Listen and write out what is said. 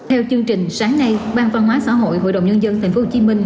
theo chương trình sáng nay ban văn hóa xã hội hội đồng nhân dân tp hcm